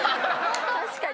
確かに。